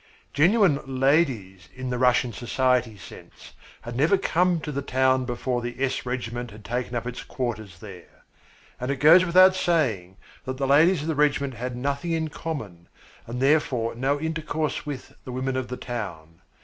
Genuine ladies in the Russian society sense had never come to the town before the S Regiment had taken up its quarters there; and it goes without saying that the ladies of the regiment had nothing in common, and therefore no intercourse with, the women of the town.